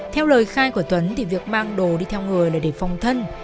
theo lời khai của tuấn thì việc mang đồ đi theo người là để phòng thân